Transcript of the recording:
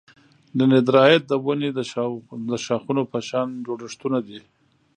دندرایت د ونې د شاخونو په شان جوړښتونه دي.